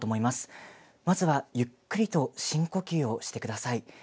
まずは、ゆっくりと深呼吸をしてください。